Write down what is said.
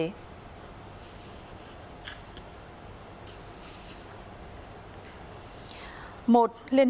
một liên hệ ngay với cơ quan y tế gần nhất hoặc gọi điện đến đường dây nóng